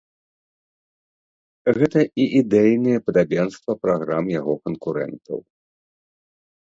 Гэта і ідэйнае падабенства праграм яго канкурэнтаў.